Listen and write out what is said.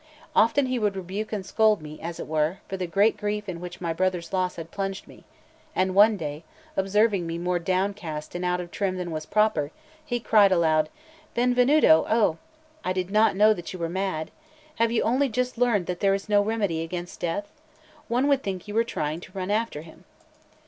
Often would he rebuke and scold me, as it were, for the great grief in which my brother's loss had plunged me; and one day, observing me more downcast and out of trim than was proper, he cried aloud: "Benvenuto, oh! I did not know that you were mad. Have you only just learned that there is no remedy against death? One would think that you were trying to run after him."